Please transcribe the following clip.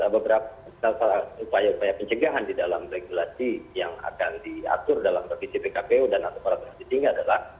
salah satu upaya upaya pencegahan di dalam regulasi yang akan diatur dalam provinsi pkpu dan atas para provinsi tinggi adalah